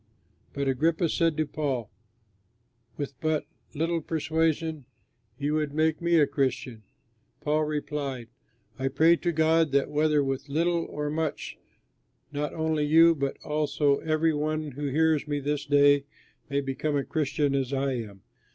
But Agrippa said to Paul, "With but little persuasion you would make me a Christian!" Paul replied, "I pray to God that whether with little or much not only you but also every one who hears me this day may become a Christian as I am."